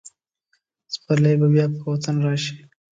سپرلی به بیا په وطن راشي.